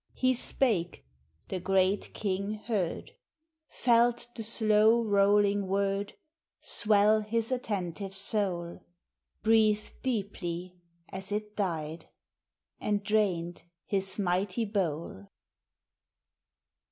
ir e spake— the Great King heard ; Felt the slow rolling word Swell his attentive soul ; Breathed deeply as it died, And drained his mighty howl.